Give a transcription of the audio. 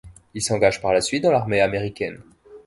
Il s'engage par la suite dans l'armée américaine.